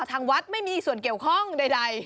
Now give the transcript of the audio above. ทางวัดไม่มีส่วนเกี่ยวข้องใด